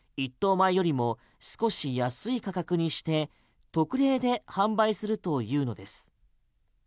米よりも少し安い価格にして特例で販売するというのです。